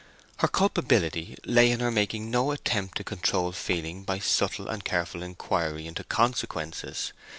Her culpability lay in her making no attempt to control feeling by subtle and careful inquiry into consequences.